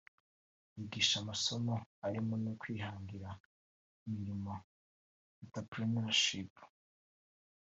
ryigisha amasomo arimo no kwihangira imirimo (Entrepreneurship)